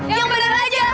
eh yang bener aja